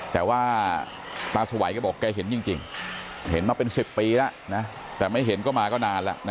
แต่ว่าตาสวัยแกบอกแกเห็นจริงเห็นมาเป็น๑๐ปีแล้วนะแต่ไม่เห็นก็มาก็นานแล้วนะ